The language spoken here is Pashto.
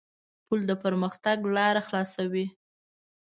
پُل د پرمختګ لاره خلاصوي.